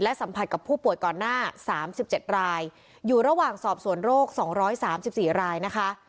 สัมผัสกับผู้ป่วยก่อนหน้า๓๗รายอยู่ระหว่างสอบสวนโรค๒๓๔รายนะคะ